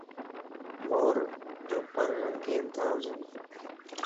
مورَ جا پرَ رنگين تا ھونجن